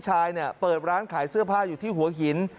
เปิดร้านขายเสื้อผ้าอยู่ที่หัวหิน